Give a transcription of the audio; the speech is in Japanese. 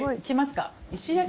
来ますか。